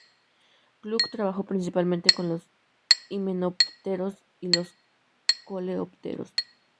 Klug trabajó principalmente con los himenópteros y los coleópteros.